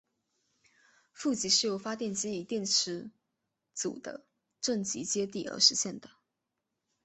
负极是由发电机与电池组的正极接地而实现的。